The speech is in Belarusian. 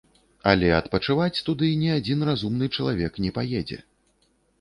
Але адпачываць туды ні адзін разумны чалавек не паедзе.